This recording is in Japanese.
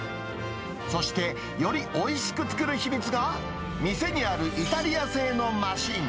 そして、よりおいしく作る秘密が、店にあるイタリア製のマシン。